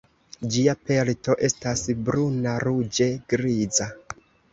Ĝia pelto estas bruna, ruĝe griza.